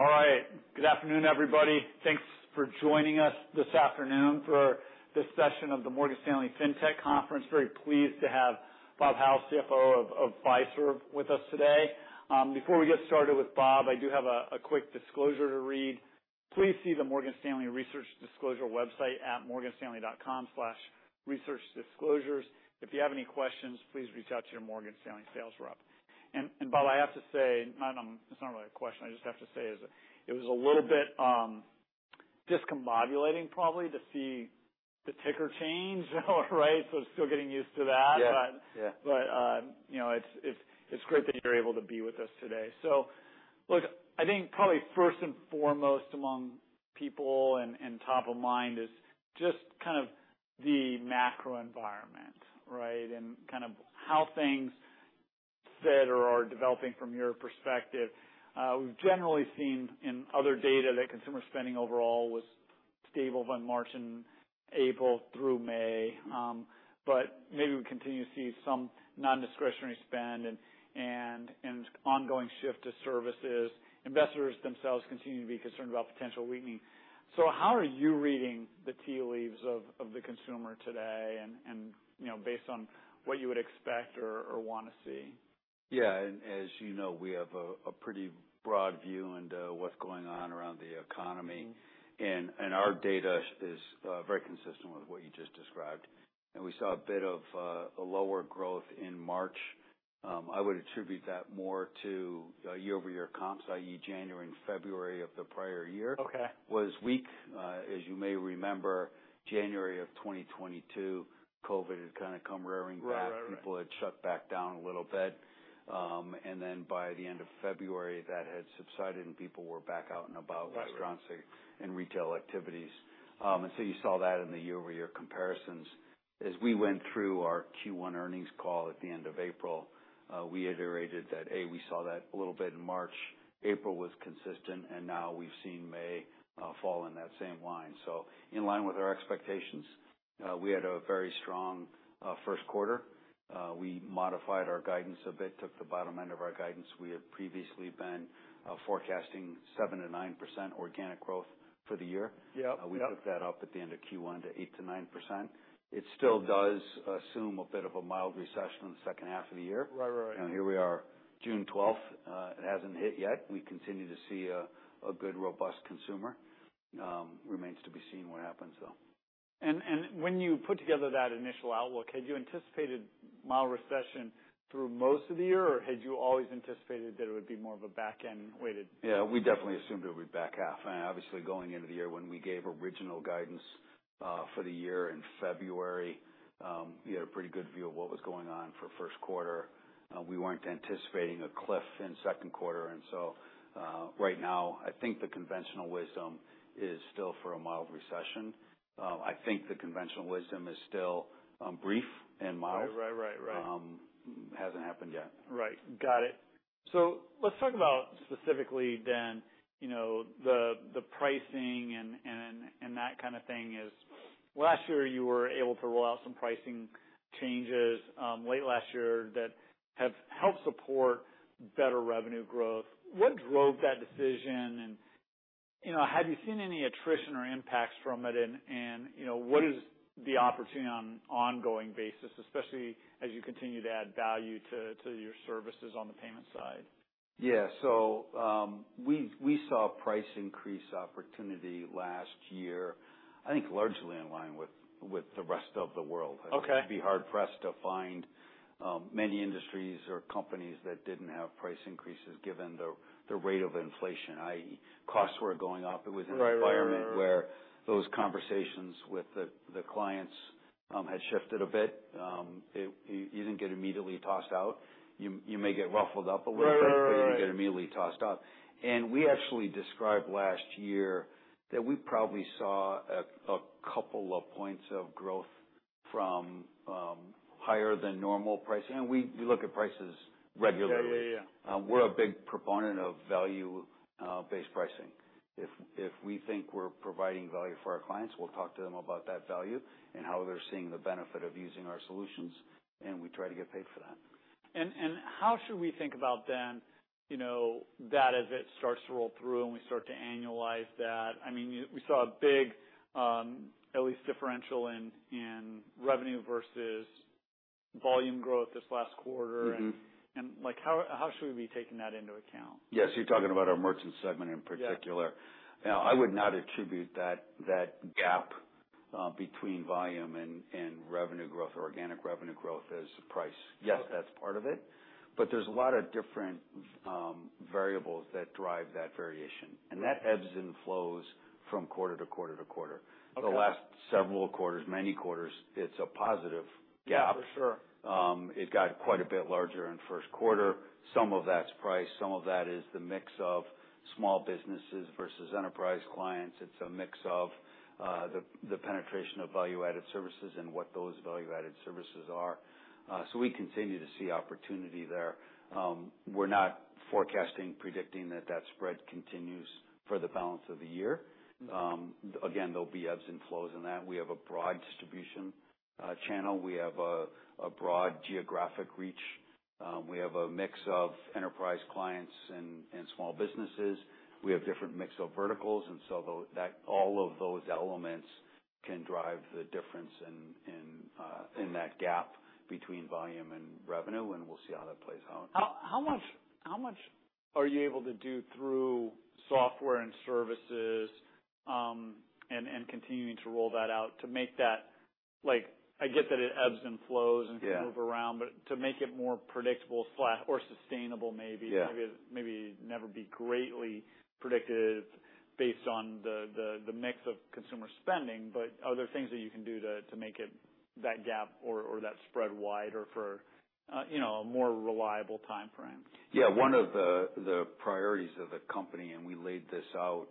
All right. Good afternoon, everybody. Thanks for joining us this afternoon for this session of the Morgan Stanley Fintech Conference. Very pleased to have Bob Hau, CFO of Fiserv with us today. Before we get started with Bob, I do have a quick disclosure to read. Please see the Morgan Stanley Research Disclosure website at morganstanley.com/researchdisclosures. If you have any questions, please reach out to your Morgan Stanley sales rep. Bob, I have to say, it's not really a question, I just have to say is that it was a little bit discombobulating probably to see the ticker change, right? Still getting used to that. Yeah. Yeah. You know, it's great that you're able to be with us today. Look, I think probably first and foremost among people and top of mind is just kind of the macro environment, right? Kind of how things fit or are developing from your perspective. We've generally seen in other data that consumer spending overall was stable by March and April through May. Maybe we continue to see some non-discretionary spend and ongoing shift to services. Investors themselves continue to be concerned about potential weakening. How are you reading the tea leaves of the consumer today and, you know, based on what you would expect or wanna see? Yeah, as you know, we have a pretty broad view into what's going on around the economy. Mm-hmm. Our data is very consistent with what you just described. We saw a bit of a lower growth in March. I would attribute that more to year-over-year comps, i.e., January and February of the prior year. Okay -was weak. as you may remember, January of 2022, COVID had kind of come rearing back. Right, right. People had shut back down a little bit. By the end of February, that had subsided, and people were back out and about. Right -restaurants and retail activities. You saw that in the year-over-year comparisons. As we went through our Q1 earnings call at the end of April, we iterated that, A, we saw that a little bit in March. April was consistent, we've seen May fall in that same line. In line with our expectations, we had a very strong first quarter. We modified our guidance a bit, took the bottom end of our guidance. We had previously been forecasting 7%-9% organic growth for the year. Yep. Yep. We took that up at the end of Q1 to 8%-9%. It still does assume a bit of a mild recession in the second half of the year. Right. Here we are, June 12th, it hasn't hit yet. We continue to see a good, robust consumer. Remains to be seen what happens, though. When you put together that initial outlook, had you anticipated mild recession through most of the year, or had you always anticipated that it would be more of a back-end weighted? Yeah, we definitely assumed it would be back half. Obviously, going into the year when we gave original guidance, for the year in February, we had a pretty good view of what was going on for first quarter. We weren't anticipating a cliff in second quarter. Right now, I think the conventional wisdom is still for a mild recession. I think the conventional wisdom is still, brief and mild. Right. Hasn't happened yet. Right. Got it. Let's talk about specifically then, you know, the pricing and that kind of thing. Last year, you were able to roll out some pricing changes late last year that have helped support better revenue growth. What drove that decision? You know, have you seen any attrition or impacts from it, and, you know, what is the opportunity on an ongoing basis, especially as you continue to add value to your services on the payment side? Yeah. We saw a price increase opportunity last year, I think largely in line with the rest of the world. Okay. I'd be hard-pressed to find, many industries or companies that didn't have price increases given the rate of inflation, i.e., costs were going up. Right. It was an environment where those conversations with the clients had shifted a bit. You didn't get immediately tossed out. You may get ruffled up a little bit. Right.... but you didn't get immediately tossed out. We actually described last year that we probably saw a couple of points of growth from higher than normal pricing. We look at prices regularly. Yeah, yeah. We're a big proponent of value-based pricing. If we think we're providing value for our clients, we'll talk to them about that value and how they're seeing the benefit of using our solutions, and we try to get paid for that. How should we think about then, you know, that as it starts to roll through and we start to annualize that? I mean, we saw a big, at least differential in revenue versus volume growth this last quarter. Mm-hmm. like how should we be taking that into account? Yes, you're talking about our merchant segment in particular. Yeah. I would not attribute that gap, between volume and revenue growth, organic revenue growth, as price. Yep. Yes, that's part of it, but there's a lot of different variables that drive that variation, and that ebbs and flows from quarter to quarter to quarter. Okay. The last several quarters, many quarters, it's a positive gap. For sure. It got quite a bit larger in first quarter. Some of that's price, some of that is the mix of small businesses versus enterprise clients. It's a mix of the penetration of value-added services and what those value-added services are. We continue to see opportunity there. We're not forecasting, predicting that that spread continues for the balance of the year. Again, there'll be ebbs and flows in that. We have a broad distribution channel. We have a broad geographic reach. We have a mix of enterprise clients and small businesses. We have different mix of verticals, that, all of those elements can drive the difference in that gap between volume and revenue, and we'll see how that plays out. How much are you able to do through software and services, and continuing to roll that out, to make that like, I get that it ebbs and flows? Yeah can move around, but to make it more predictable, slash, or sustainable, maybe? Yeah. Maybe never be greatly predictive based on the mix of consumer spending, but are there things that you can do to make it, that gap or that spread wider for, you know, a more reliable time frame? Yeah, one of the priorities of the company, and we laid this out,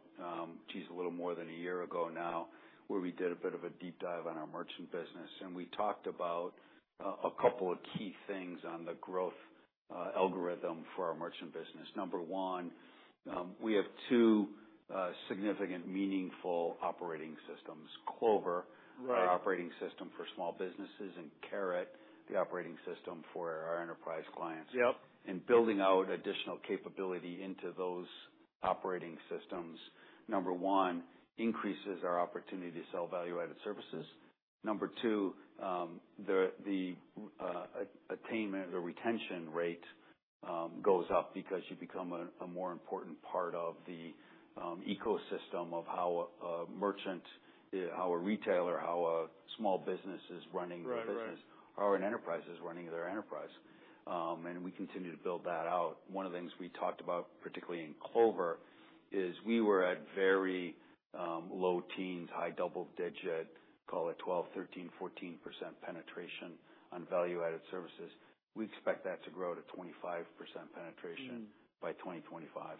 geez, a little more than a year ago now, where we did a bit of a deep dive on our merchant business, and we talked about a couple of key things on the growth algorithm for our merchant business. Number one, we have two significant, meaningful operating systems. Clover Right our operating system for small businesses, and Carat, the operating system for our enterprise clients. Yep. Building out additional capability into those operating systems, number one, increases our opportunity to sell value-added services. Number two, the attainment or retention rate goes up because you become a more important part of the ecosystem of how a merchant, how a retailer, how a small business is running their business. Right, right. How an enterprise is running their enterprise. We continue to build that out. One of the things we talked about, particularly in Clover, is we were at very, low teens, high double digit, call it 12%, 13%, 14% penetration on value-added services. We expect that to grow to 25% penetration. Mm-hmm -by 2025,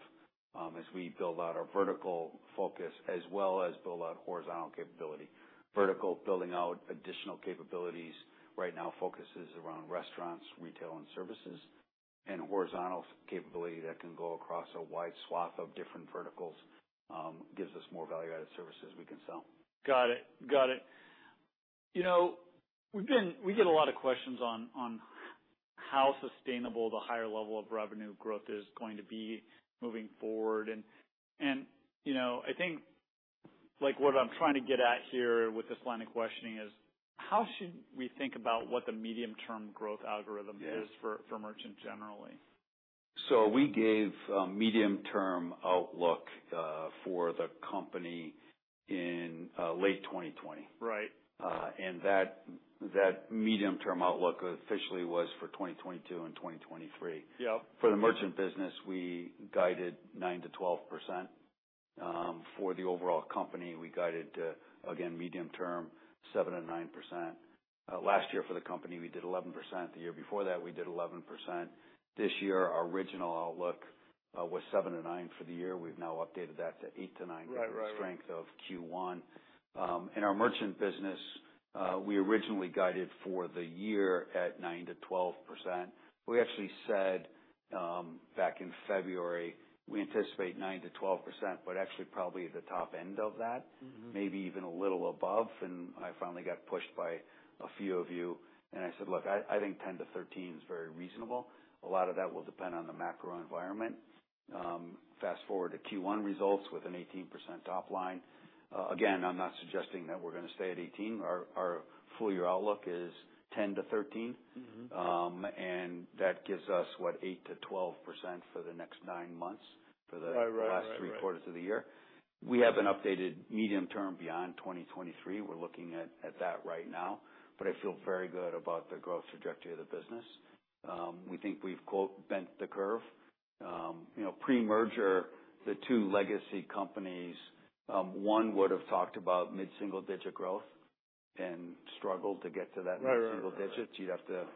as we build out our vertical focus as well as build out horizontal capability. Vertical, building out additional capabilities right now focuses around restaurants, retail, and services. Horizontal capability that can go across a wide swath of different verticals, gives us more value-added services we can sell. Got it. Got it. You know, we get a lot of questions on how sustainable the higher level of revenue growth is going to be moving forward. You know, I think, like, what I'm trying to get at here with this line of questioning is, how should we think about what the medium-term growth algorithm is. Yeah for merchant generally? We gave a medium-term outlook for the company in late 2020. Right. That medium-term outlook officially was for 2022 and 2023. Yep. For the merchant business, we guided 9%-12%. For the overall company, we guided, again, medium-term, 7% and 9%. Last year for the company, we did 11%. The year before that, we did 11%. This year, our original outlook, was 7%-9% for the year. We've now updated that to 8%-9%. Right. given the strength of Q1. In our merchant business, we originally guided for the year at 9%-12%. We actually said, back in February, we anticipate 9%-12%, but actually probably at the top end of that. Mm-hmm. Maybe even a little above. I finally got pushed by a few of you, and I said: Look, I think 10%-13% is very reasonable. A lot of that will depend on the macro environment. Fast-forward to Q1 results with an 18% top line. again, I'm not suggesting that we're gonna stay at 18%. Our full year outlook is 10%-13%. Mm-hmm. That gives us, what? 8%-12% for the next nine months. Right. for the last three quarters of the year. We have an updated medium-term beyond 2023. We're looking at that right now. I feel very good about the growth trajectory of the business. We think we've, quote, "bent the curve." You know, pre-merger, the two legacy companies, one would have talked about mid-single digit growth and struggled to get to that mid-single digit. Right, right. You'd have to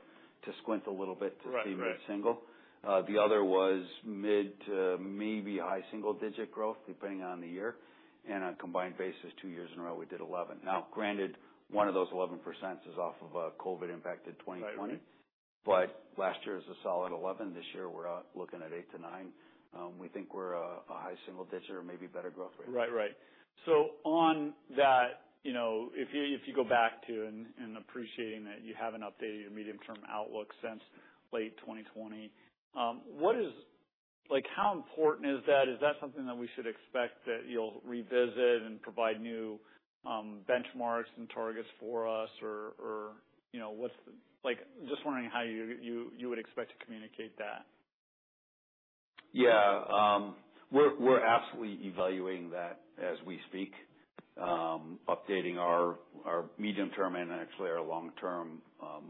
squint a little bit to see mid-single. Right, right. The other was mid to maybe high single digit growth, depending on the year. On a combined basis, two years in a row, we did 11%. Granted, one of those 11% is off of a COVID-impacted 2020. Right. last year is a solid 11%. This year, we're looking at 8%-9%. We think we're a high single-digit or maybe better growth rate. Right, right. On that, you know, if you go back to, and appreciating that you haven't updated your medium-term outlook since late 2020, Like, how important is that? Is that something that we should expect that you'll revisit and provide new, benchmarks and targets for us? Or, you know, Like, just wondering how you would expect to communicate that. Yeah, we're absolutely evaluating that as we speak, updating our medium-term and actually our long-term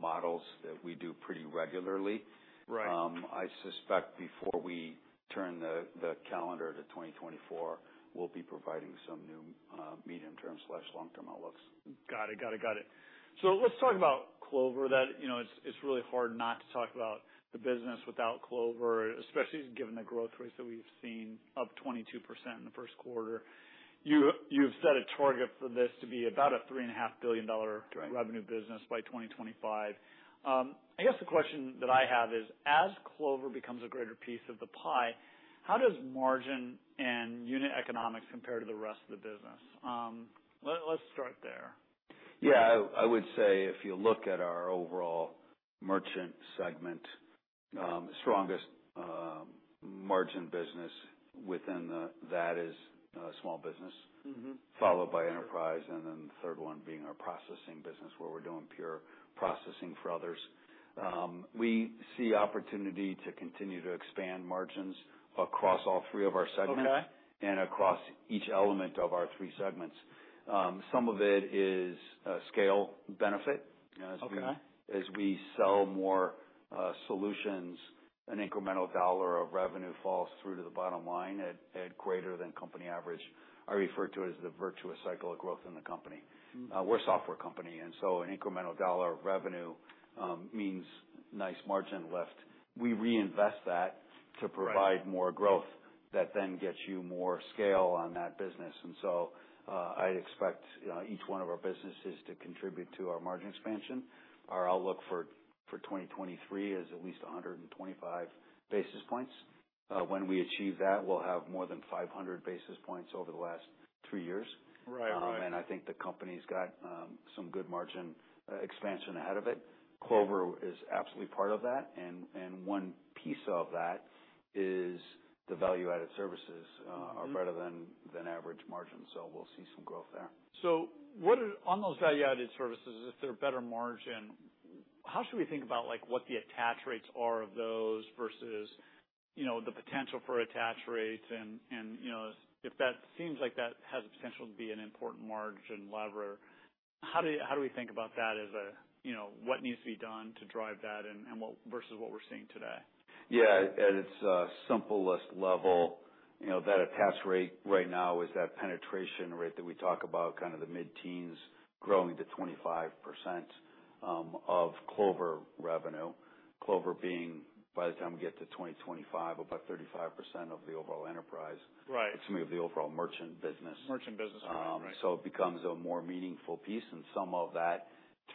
models that we do pretty regularly. Right. I suspect before we turn the calendar to 2024, we'll be providing some new medium-term/long-term outlooks. Got it. Let's talk about Clover. That, you know, it's really hard not to talk about the business without Clover, especially given the growth rates that we've seen, up 22% in the first quarter. You've set a target for this to be about a $3.5 billion Right -revenue business by 2025. I guess the question that I have is, as Clover becomes a greater piece of the pie, how does margin and unit economics compare to the rest of the business? let's start there. Yeah, I would say if you look at our overall merchant segment, the strongest margin business within that is small business. Mm-hmm. Followed by enterprise, and then the third one being our processing business, where we're doing pure processing for others. We see opportunity to continue to expand margins across all three of our segments. Okay. Across each element of our three segments. Some of it is scale benefit. Okay. As we sell more solutions, an incremental dollar of revenue falls through to the bottom line at greater than company average. I refer to it as the virtuous cycle of growth in the company. Mm-hmm. We're a software company, and so an incremental dollar of revenue means nice margin lift. We reinvest that. Right to provide more growth, that then gets you more scale on that business. I expect each one of our businesses to contribute to our margin expansion. Our outlook for 2023 is at least 125 basis points. When we achieve that, we'll have more than 500 basis points over the last three years. Right. Right. I think the company's got some good margin expansion ahead of it. Clover is absolutely part of that, and one piece of that is the value-added services. Mm-hmm are better than average margin, so we'll see some growth there. On those value-added services, if they're better margin, how should we think about, like, what the attach rates are of those versus, you know, the potential for attach rates? If that seems like that has the potential to be an important margin lever, how do we think about that as a, you know, what needs to be done to drive that and what, versus what we're seeing today? At its simplest level, you know, that attach rate right now is that penetration rate that we talk about, kind of the mid-teens, growing to 25% of Clover revenue. Clover being, by the time we get to 2025, about 35% of the overall enterprise. Right. Excuse me, of the overall merchant business. Merchant business, right. It becomes a more meaningful piece, and some of that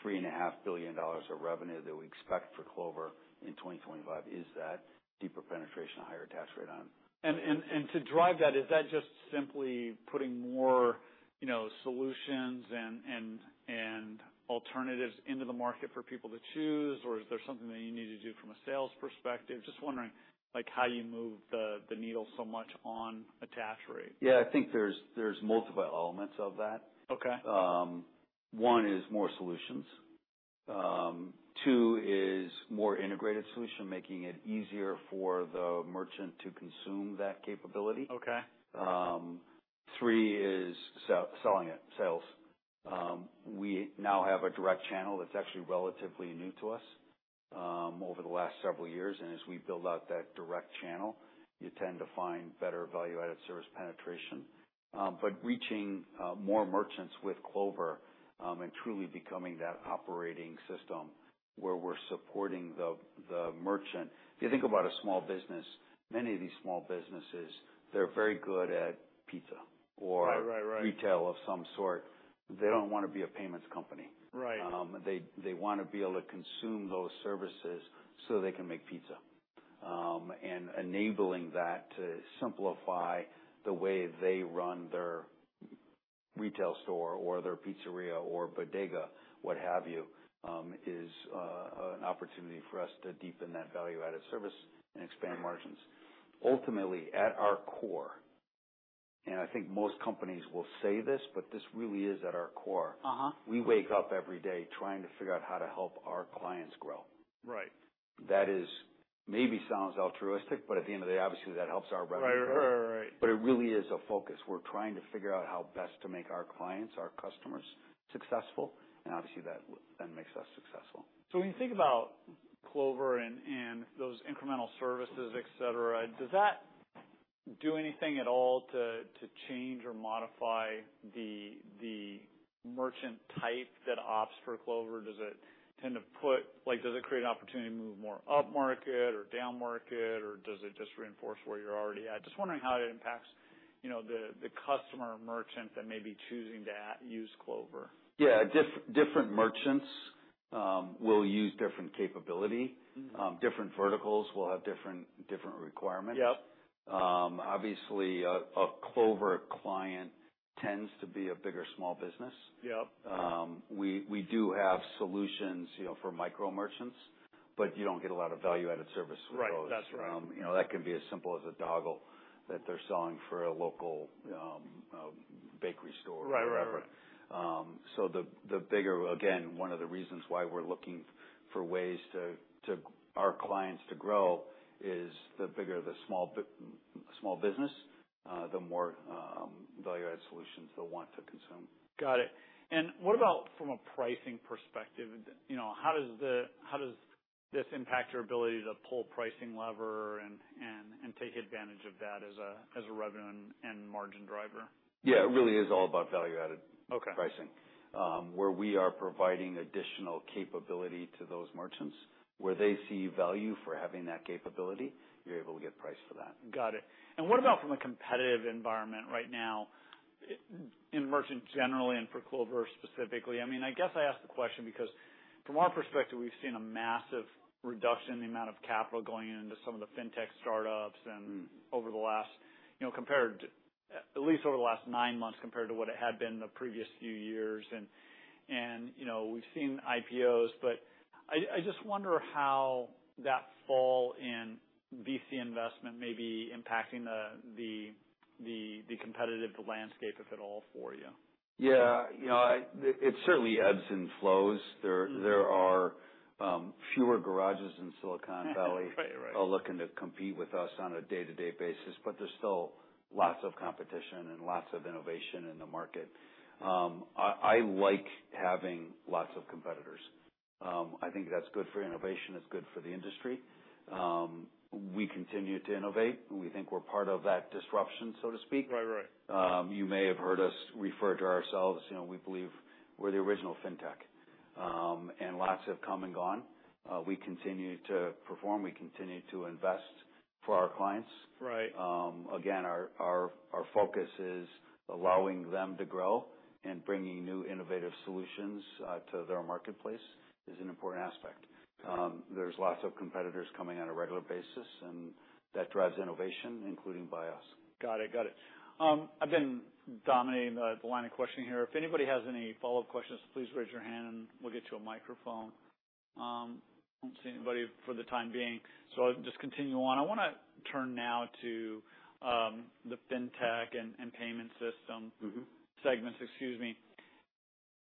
$3.5 billion of revenue that we expect for Clover in 2025 is that deeper penetration, a higher attach rate on. To drive that, is that just simply putting more, you know, solutions and alternatives into the market for people to choose, or is there something that you need to do from a sales perspective? Just wondering, like, how you move the needle so much on attach rate. Yeah, I think there's multiple elements of that. Okay. One is more solutions. Two is more integrated solution, making it easier for the merchant to consume that capability. Okay. Three is selling it, sales. We now have a direct channel that's actually relatively new to us over the last several years. As we build out that direct channel, you tend to find better value-added service penetration. Reaching more merchants with Clover and truly becoming that operating system, where we're supporting the merchant. If you think about a small business, many of these small businesses, they're very good at pizza or- Right. retail of some sort. They don't want to be a payments company. Right. They want to be able to consume those services, so they can make pizza. Enabling that to simplify the way they run their retail store or their pizzeria or bodega, what have you, is an opportunity for us to deepen that value-added service and expand margins. Ultimately, at our core, and I think most companies will say this, but this really is at our core. Uh-huh .we wake up every day trying to figure out how to help our clients grow. Right. That is, maybe sounds altruistic, but at the end of the day, obviously, that helps our revenue. Right. Right, right. It really is a focus. We're trying to figure out how best to make our clients, our customers, successful, and obviously, that makes us successful. When you think about Clover and those incremental services, et cetera, does that do anything at all to change or modify the merchant type that opts for Clover? Does it tend to create an opportunity to move more upmarket or downmarket, or does it just reinforce where you're already at? Just wondering how it impacts, you know, the customer merchant that may be choosing to use Clover. Yeah. Different merchants will use different capability. Mm-hmm. Different verticals will have different requirements. Yep. Obviously, a Clover client tends to be a bigger small business. Yep. We do have solutions, you know, for micro merchants, but you don't get a lot of value-added service with those. Right. That's right. You know, that can be as simple as a dongle that they're selling for a local, a bakery store. Right. Right, right. Again, one of the reasons why we're looking for ways to our clients to grow is, the bigger the small business, the more value-added solutions they'll want to consume. Got it. What about from a pricing perspective? You know, how does this impact your ability to pull pricing lever and take advantage of that as a revenue and margin driver? Yeah, it really is all about value-added- Okay pricing. Where we are providing additional capability to those merchants, where they see value for having that capability, you're able to get price for that. Got it. What about from a competitive environment right now, in merchant generally and for Clover specifically? I mean, I guess I ask the question because. From our perspective, we've seen a massive reduction in the amount of capital going into some of the fintech startups and over the last, you know, compared at least over the last nine months, compared to what it had been the previous few years. You know, we've seen IPOs. I just wonder how that fall in VC investment may be impacting the competitive landscape, if at all, for you. Yeah, you know, it certainly ebbs and flows. There are fewer garages in Silicon Valley. Right, right. -all looking to compete with us on a day-to-day basis, but there's still lots of competition and lots of innovation in the market. I like having lots of competitors. I think that's good for innovation, it's good for the industry. We continue to innovate, and we think we're part of that disruption, so to speak. Right. Right. You may have heard us refer to ourselves, you know, we believe we're the original fintech. Lots have come and gone. We continue to perform, we continue to invest for our clients. Right. Again, our focus is allowing them to grow and bringing new innovative solutions, to their marketplace is an important aspect. There's lots of competitors coming on a regular basis. That drives innovation, including by us. Got it. Got it. I've been dominating the line of questioning here. If anybody has any follow-up questions, please raise your hand and we'll get you a microphone. I don't see anybody for the time being, so I'll just continue on. I want to turn now to the fintech and payment system- Mm-hmm. segments. Excuse me.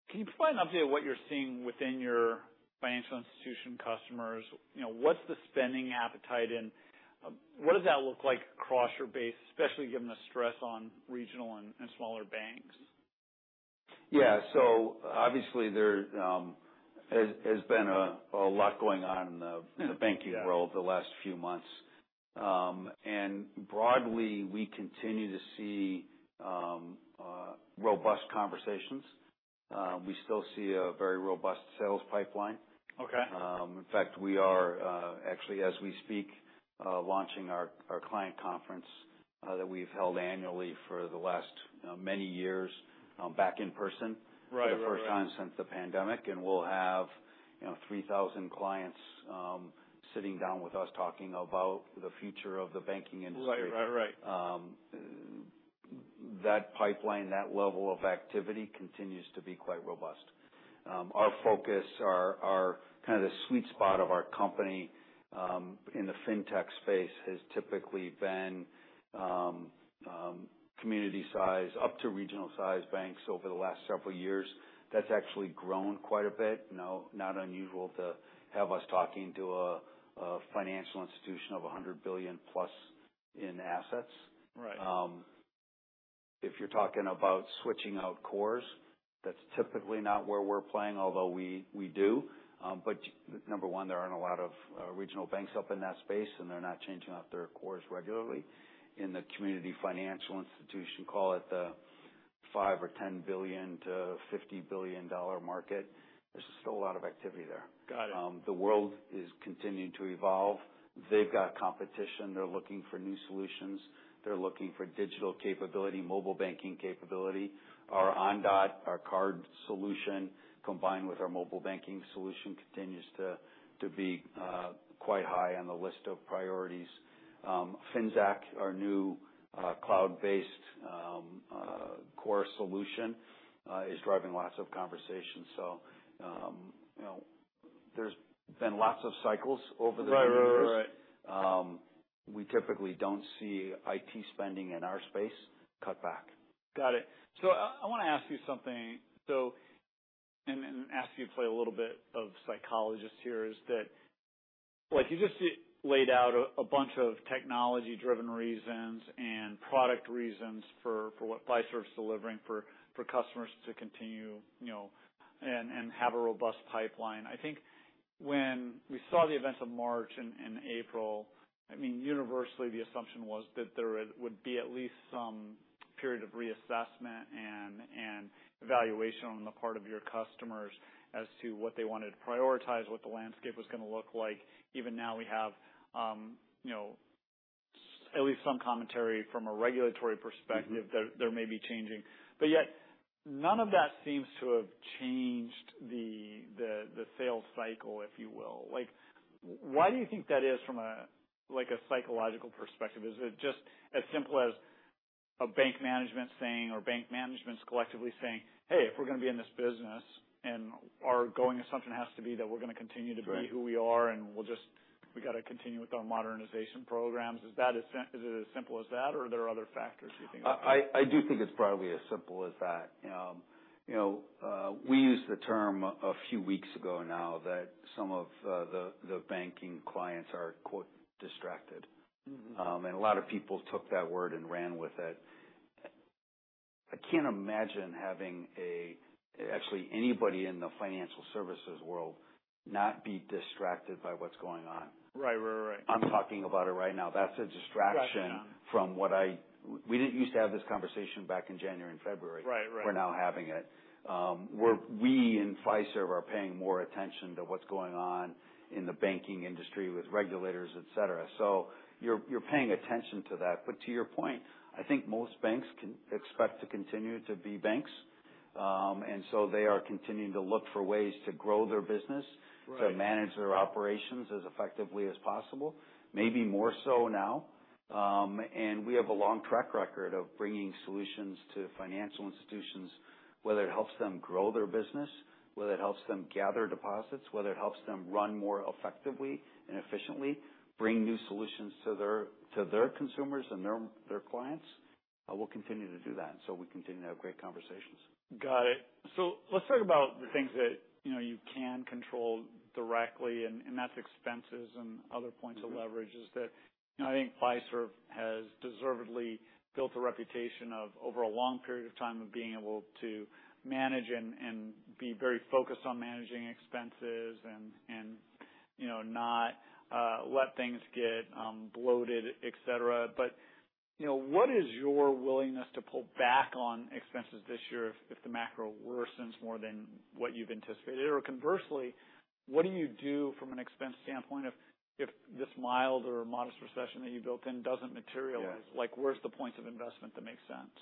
Can you provide an update on what you're seeing within your financial institution customers? You know, what's the spending appetite, and what does that look like across your base, especially given the stress on regional and smaller banks? Yeah. Obviously there has been a lot going on in the banking world. Yeah The last few months. Broadly, we continue to see, robust conversations. We still see a very robust sales pipeline. Okay. In fact, we are, actually, as we speak, launching our client conference that we've held annually for the last, you know, many years, back in person Right. Right for the first time since the pandemic. We'll have, you know, 3,000 clients, sitting down with us, talking about the future of the banking industry. Right. Right, right. That pipeline, that level of activity continues to be quite robust. Our focus, our kind of the sweet spot of our company, in the fintech space has typically been community size up to regional size banks over the last several years. That's actually grown quite a bit. You know, not unusual to have us talking to a financial institution of $100+ billion in assets. Right. If you're talking about switching out cores, that's typically not where we're playing, although we do. Number one, there aren't a lot of regional banks up in that space, and they're not changing out their cores regularly. In the community financial institution, call it the $5 billion or $10 billion to $50 billion market, there's still a lot of activity there. Got it. The world is continuing to evolve. They've got competition. They're looking for new solutions. They're looking for digital capability, mobile banking capability. Our Ondot, our card solution, combined with our mobile banking solution, continues to be quite high on the list of priorities. Finxact, our new cloud-based core solution, is driving lots of conversations. You know, there's been lots of cycles over the years. Right. Right, right. We typically don't see IT spending in our space cut back. Got it. I want to ask you something, and ask you to play a little bit of psychologist here, is that, like you just laid out a bunch of technology-driven reasons and product reasons for what Fiserv's delivering for customers to continue, you know, and have a robust pipeline. I think when we saw the events of March and April, I mean, universally, the assumption was that there would be at least some period of reassessment and evaluation on the part of your customers as to what they wanted to prioritize, what the landscape was going to look like. Even now, we have, you know, at least some commentary from a regulatory perspective. Mm-hmm... that there may be changing. Yet, none of that seems to have changed the sales cycle, if you will. Like, why do you think that is from a, like, a psychological perspective? Is it just as simple as a bank management's collectively saying: "Hey, if we're going to be in this business, then our going assumption has to be that we're going to continue to be who we are, and we got to continue with our modernization programs." Is it as simple as that, or are there other factors, you think? I do think it's probably as simple as that. You know, we used the term a few weeks ago now, that some of the banking clients are, quote, "distracted. Mm-hmm. A lot of people took that word and ran with it. I can't imagine having actually, anybody in the financial services world not be distracted by what's going on. Right. Right, right. I'm talking about it right now. That's a distraction- Distraction We didn't used to have this conversation back in January and February. Right, right. We're now having it. We in Fiserv are paying more attention to what's going on in the banking industry with regulators, et cetera. You're paying attention to that. To your point, I think most banks can expect to continue to be banks. They are continuing to look for ways to grow their business. Right. to manage their operations as effectively as possible, maybe more so now. We have a long track record of bringing solutions to financial institutions, whether it helps them grow their business, whether it helps them gather deposits, whether it helps them run more effectively and efficiently, bring new solutions to their, to their consumers and their clients, we'll continue to do that. We continue to have great conversations. Got it. Let's talk about the things that, you know, you can control directly, and that's expenses and other points. Mm-hmm. -of leverage is that, you know, I think Fiserv has deservedly built a reputation of, over a long period of time, of being able to manage and be very focused on managing expenses and, you know, not let things get bloated, et cetera. You know, what is your willingness to pull back on expenses this year if the macro worsens more than what you've anticipated? Conversely, what do you do from an expense standpoint if this mild or modest recession that you built in doesn't materialize? Yeah. Like, where's the points of investment that make sense?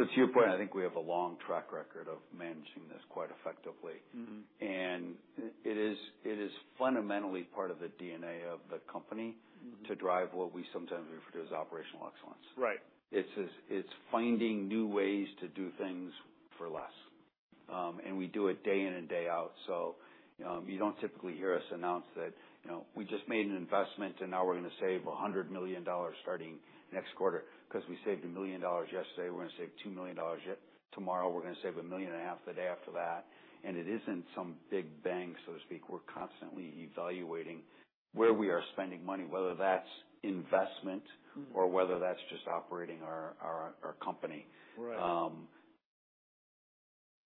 To your point, I think we have a long track record of managing this quite effectively. Mm-hmm. it is fundamentally part of the DNA of the company. Mm-hmm to drive what we sometimes refer to as operational excellence. Right. It's finding new ways to do things for less. We do it day in and day out. You don't typically hear us announce that, you know, we just made an investment, and now we're going to save $100 million starting next quarter. We saved $1 million yesterday, we're going to save $2 million tomorrow, we're going to save a $1.5 million the day after that. It isn't some big bang, so to speak. We're constantly evaluating where we are spending money, whether that's investment- Mm-hmm whether that's just operating our company. Right.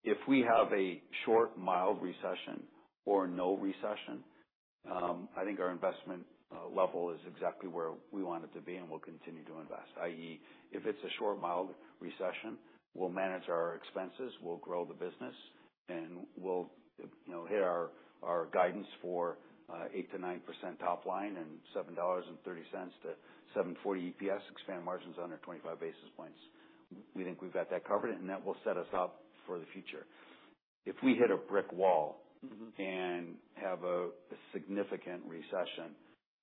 If we have a short, mild recession or no recession, I think our investment level is exactly where we want it to be, and we'll continue to invest. i.e., if it's a short, mild recession, we'll manage our expenses, we'll grow the business, and we'll, you know, hit our guidance for 8%-9% top line and $7.30-$7.40 EPS, expand margins under 25 basis points. We think we've got that covered, and that will set us up for the future. If we hit a brick wall and Mm-hmm have a significant recession,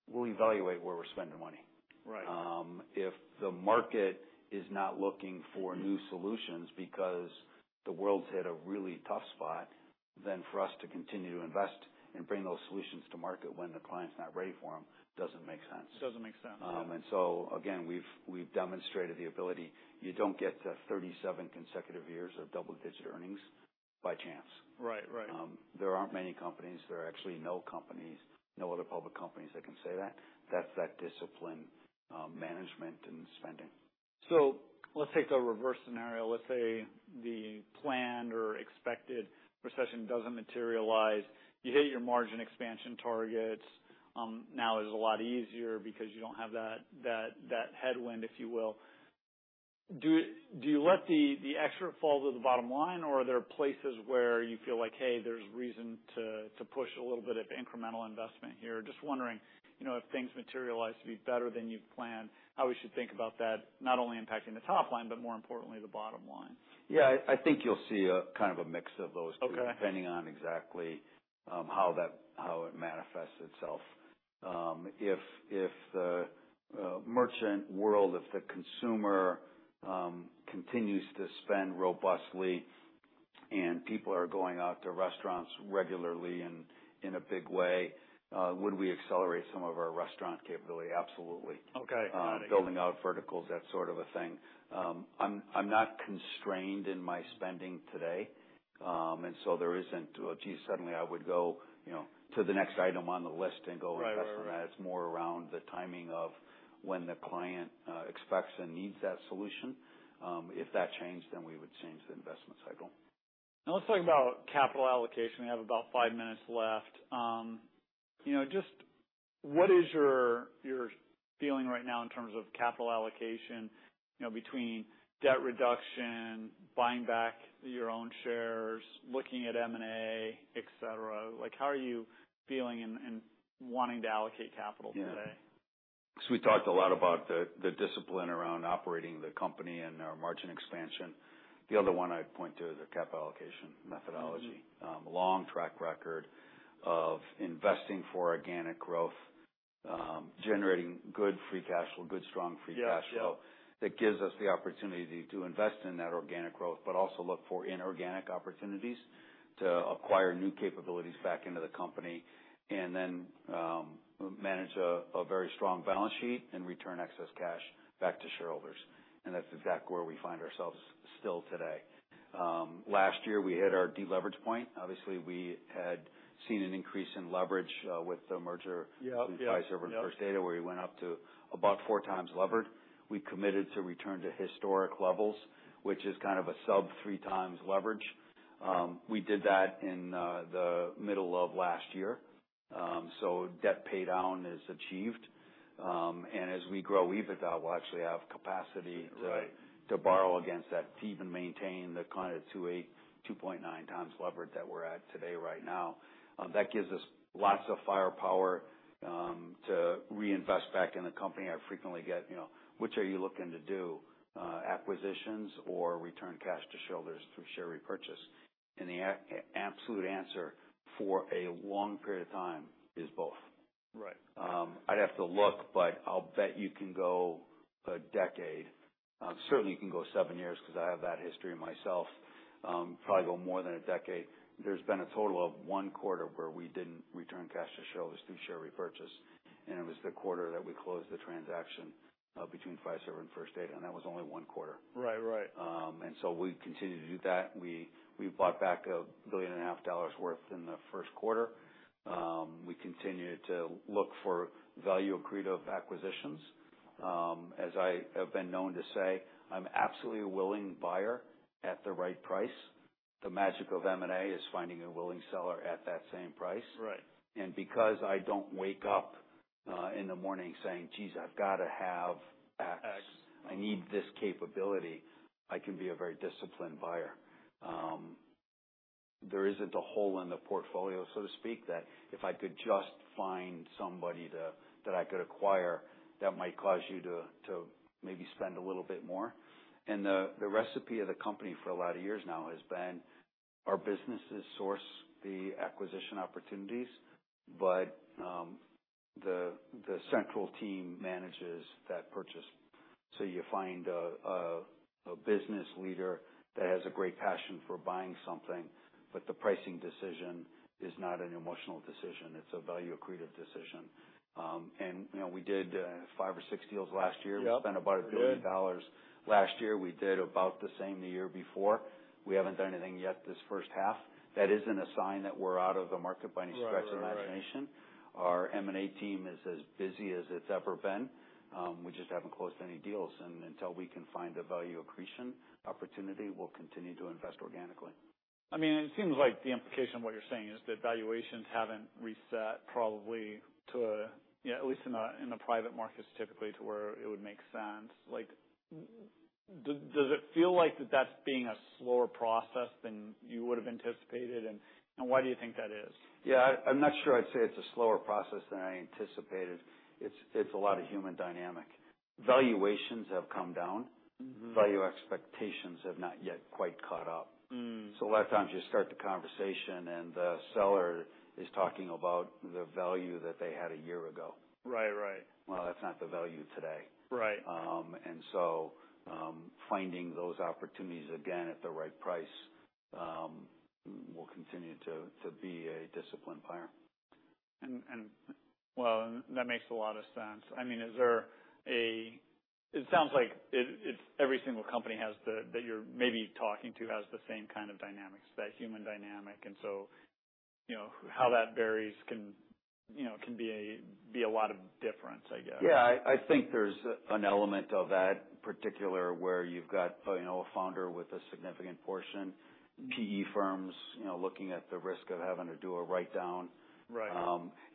we'll evaluate where we're spending money. Right. If the market is not looking for new solutions because the world's hit a really tough spot, then for us to continue to invest and bring those solutions to market when the client's not ready for them, doesn't make sense. Doesn't make sense. Again, we've demonstrated the ability. You don't get to 37 consecutive years of double-digit earnings by chance. Right. Right. There aren't many companies, there are actually no companies, no other public companies that can say that. That's that discipline, management and spending. Let's take the reverse scenario. Let's say the planned or expected recession doesn't materialize. You hit your margin expansion targets. Now it's a lot easier because you don't have that headwind, if you will. Do you let the extra fall to the bottom line, or are there places where you feel like, hey, there's reason to push a little bit of incremental investment here? Just wondering, you know, if things materialize to be better than you've planned, how we should think about that, not only impacting the top line, but more importantly, the bottom line. Yeah. I think you'll see a kind of a mix of those two- Okay... depending on exactly, how that, how it manifests itself. If, if the, merchant world, if the consumer, continues to spend robustly and people are going out to restaurants regularly and in a big way, would we accelerate some of our restaurant capability? Absolutely. Okay. Building out verticals, that sort of a thing. I'm not constrained in my spending today, there isn't, well, gee, suddenly I would go, you know, to the next item on the list and go... Right. It's more around the timing of when the client expects and needs that solution. If that changed, we would change the investment cycle. Now let's talk about capital allocation. We have about five minutes left. you know, just what is your feeling right now in terms of capital allocation, you know, between debt reduction, buying back your own shares, looking at M&A, et cetera? Like, how are you feeling in wanting to allocate capital today? Yeah. We talked a lot about the discipline around operating the company and our margin expansion. The other one I'd point to is the capital allocation methodology. Mm-hmm. Long track record of investing for organic growth, generating good strong free cash flow... Yeah... that gives us the opportunity to invest in that organic growth, but also look for inorganic opportunities to acquire new capabilities back into the company and then manage a very strong balance sheet and return excess cash back to shareholders. That's exactly where we find ourselves still today. Last year, we hit our deleverage point. Obviously, we had seen an increase in leverage with the merger- Yeah. -with Fiserv and First Data, where we went up to about four times levered. We committed to return to historic levels, which is kind of a sub three times leverage. We did that in the middle of last year. Debt paydown is achieved. As we grow EBITDA, we'll actually have capacity... Right to borrow against that to even maintain the kind of 2.9x levered that we're at today right now. That gives us lots of firepower to reinvest back in the company. I frequently get, you know, "Which are you looking to do, acquisitions or return cash to shareholders through share repurchase?" The absolute answer for a long period of time is both. Right. I'd have to look, but I'll bet you can go a decade, certainly you can go seven years, 'cause I have that history myself. Probably go more than a decade. There's been a total of one quarter where we didn't return cash to shareholders through share repurchase, and it was the quarter that we closed the transaction, between Fiserv and First Data, and that was only one quarter. Right. Right. We continue to do that. We bought back a $1.5 billion worth in the first quarter. We continued to look for value accretive acquisitions. As I have been known to say, I'm absolutely a willing buyer at the right price. The magic of M&A is finding a willing seller at that same price. Right. because I don't wake up, in the morning saying, "Geez, I've gotta have... X. I need this capability," I can be a very disciplined buyer. There isn't a hole in the portfolio, so to speak, that if I could just find somebody to, that I could acquire, that might cause you to maybe spend a little bit more. The, the recipe of the company for a lot of years now has been our businesses source the acquisition opportunities, but the central team manages that purchase. You find a, a business leader that has a great passion for buying something, but the pricing decision is not an emotional decision. It's a value accretive decision. You know, we did five or six deals last year. Yep. We spent about $1 billion last year. We did about the same the year before. We haven't done anything yet this first half. That isn't a sign that we're out of the market by any stretch of the imagination. Right, right. Our M&A team is as busy as it's ever been. We just haven't closed any deals, and until we can find a value accretion opportunity, we'll continue to invest organically. I mean, it seems like the implication of what you're saying is that valuations haven't reset probably to a, Yeah, at least in the private markets, typically, to where it would make sense. Like, does it feel like that's being a slower process than you would've anticipated? Why do you think that is? Yeah, I'm not sure I'd say it's a slower process than I anticipated. It's a lot of human dynamic. Valuations have come down. Mm-hmm. Value expectations have not yet quite caught up. Mm. A lot of times you start the conversation, and the seller is talking about the value that they had a year ago. Right, right. Well, that's not the value today. Right. Finding those opportunities again at the right price, we'll continue to be a disciplined buyer. Well, and that makes a lot of sense. I mean, is there it sounds like it's every single company has the, that you're maybe talking to, has the same kind of dynamics, that human dynamic, and so, you know, how that varies can, you know, be a lot of difference, I guess. Yeah, I think there's an element of that, particular where you've got, you know, a founder with a significant portion, PE firms, you know, looking at the risk of having to do a write down. Right.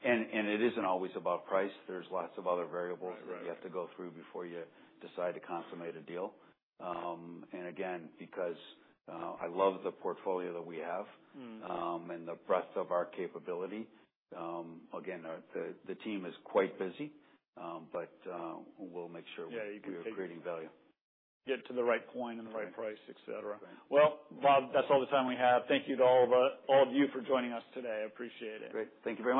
it isn't always about price. There's lots of other variables. Right, right. that you have to go through before you decide to consummate a deal. again, because, I love the portfolio that we have Mm and the breadth of our capability, again, our team is quite busy, but we'll make sure Yeah. We're creating value. Get to the right point and the right price, et cetera. Right. Well, Bob, that's all the time we have. Thank you to all of you for joining us today. I appreciate it. Great. Thank you very much.